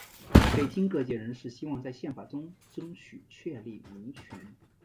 北京各界人士希望在宪法中争取确立民权。